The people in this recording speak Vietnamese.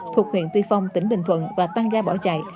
thuộc huyện tuy phong tỉnh bình thuận và tăng ga bỏ chạy